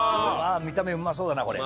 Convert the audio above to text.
見た目うまそうだなこれ。